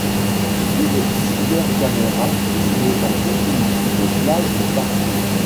Une cybercaméra filme en continu une plage du parc.